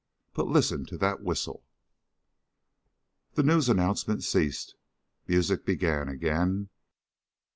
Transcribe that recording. But listen to that whistle." The news announcement ceased. Music began again.